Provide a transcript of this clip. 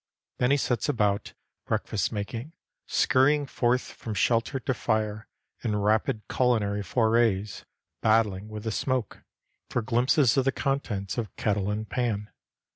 Then he sets about breakfast making, scurrying forth from shelter to fire, in rapid culinary forays, battling with the smoke, for glimpses of the contents of kettle and pan.